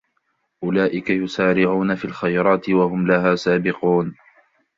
أُولَئِكَ يُسَارِعُونَ فِي الْخَيْرَاتِ وَهُمْ لَهَا سَابِقُونَ